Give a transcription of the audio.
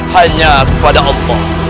hanya kepada allah